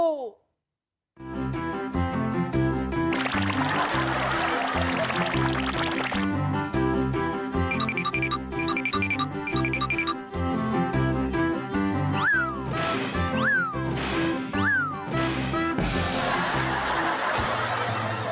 โอ้โฮ